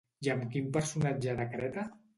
I amb quin personatge de Creta?